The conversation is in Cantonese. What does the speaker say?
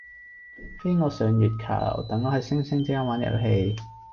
飛我上月球，等我喺星星之間玩遊戲